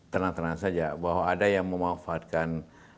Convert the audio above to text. tenang tenang saja bahwa ada yang memanfaatkan